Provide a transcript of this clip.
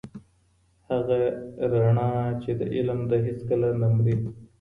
هغه رڼا چي د علم ده هېڅکله نه مري.